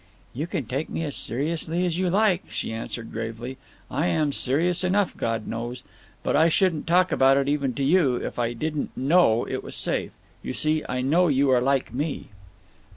"You can take me as seriously as you like," she answered gravely. "I am serious enough, God knows. But I shouldn't talk about it, even to you, if I didn't know it was safe. You see, I know you are like me."